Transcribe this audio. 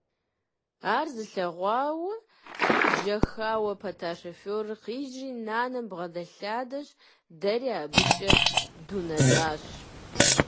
Ар зылъэгъуа, жьэхэуэ пэта шофёрыр къижри, нанэм бгъэдэлъэдащ, дэри абыкӀэ дунэтӀащ.